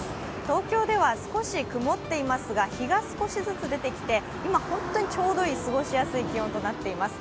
東京では少し曇っていますが日が少しずつ出てきて今、ホントにちょうどいい、過ごしやすい気温となっています。